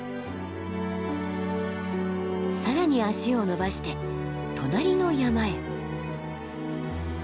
更に足をのばして隣の山へ。